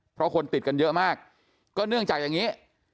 เพราะคนติดกันเยอะมากก็เนื่องจากอย่างนี้